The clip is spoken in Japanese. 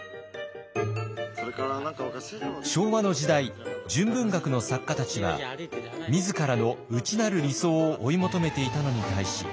昭和の時代純文学の作家たちは自らの内なる理想を追い求めていたのに対し。